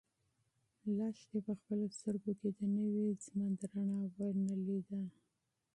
لښتې په خپلو سترګو کې د نوي ژوند رڼا ونه لیده.